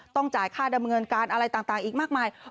ต้องจ่ายค่าดำเนินการอะไรต่างอีกมากมาย